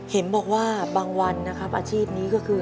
เห็นบอกว่าบางวันนะครับอาชีพนี้ก็คือ